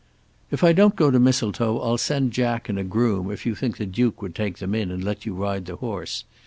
If I don't go to Mistletoe I'll send Jack and a groom if you think the Duke would take them in and let you ride the horse.